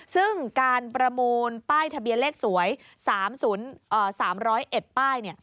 ซึ่งการประมูลป้ายทะเบียนเลขสวย๓๐๑ป้าย